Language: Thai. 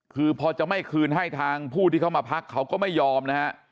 คือพอจะไม่คืนให้ทางผู้ที่เข้ามาพักเขาก็ไม่ยอมนะฮะ